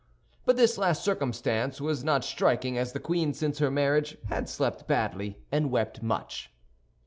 But this last circumstance was not striking, as the queen since her marriage had slept badly and wept much.